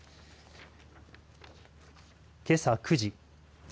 けさ９時。